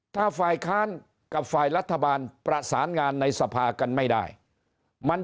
ถ้าฝ่ายค้านกับฝ่ายรัฐบาลประสานงานในสภากันไม่ได้มัน